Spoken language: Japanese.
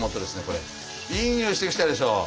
いい匂いしてきたでしょう。